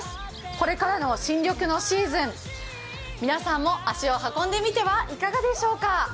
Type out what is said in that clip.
これからの新緑のシーズン、皆さんも足を運んでみてはいかがでしょうか。